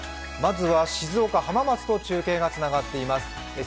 まずは静岡・浜松と中継がつながっています。